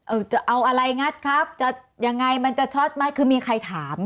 จะเอาอะไรงัดครับจะยังไงมันจะช็อตไหมคือมีใครถาม